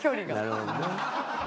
なるほどね。